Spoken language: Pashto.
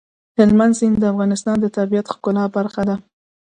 هلمند سیند د افغانستان د طبیعت د ښکلا برخه ده.